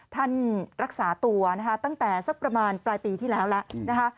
ท่านรักษาตัวนะคะตั้งแต่สักประมาณปลายปีที่แล้วแล้วนะคะ